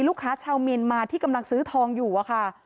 ชาวเมียนมาที่กำลังซื้อทองอยู่อะค่ะ